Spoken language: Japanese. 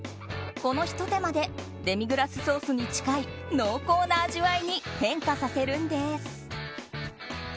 このひと手間でデミグラスソースに近い濃厚な味わいに変化させるんです。